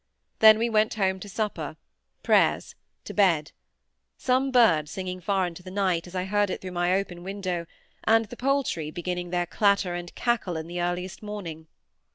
Then we went home to supper—prayers—to bed; some bird singing far into the night, as I heard it through my open window, and the poultry beginning their clatter and cackle in the earliest morning.